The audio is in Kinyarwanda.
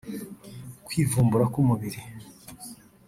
kwivumbura k’umubiri